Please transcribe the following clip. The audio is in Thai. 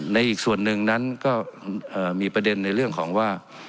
อีกส่วนหนึ่งนั้นก็มีประเด็นในเรื่องของว่า